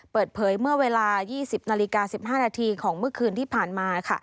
เปิดเผยเมื่อเวลา๒๐นาฬิกา๑๕นาทีของเมื่อคืนที่ผ่านมา